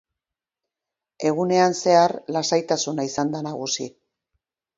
Egunean zehar lasaitasuna izan da nagusi.